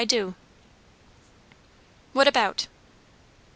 I do." "What about?"